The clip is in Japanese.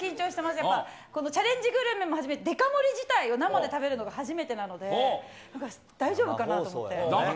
やっぱチャレンジグルメをはじめ、デカ盛り自体、生で食べるのが初めてなので、大丈夫かなと思って。